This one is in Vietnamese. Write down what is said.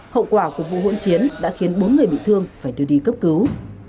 hậu quả của vụ hỗn chiến đã khiến bốn người bị thương phải đưa đi cấp cứu